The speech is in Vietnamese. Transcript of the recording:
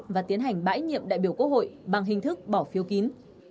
và tiến hành bãi nhiệm đại biểu quốc hội bằng hình thức bỏ phiếu kín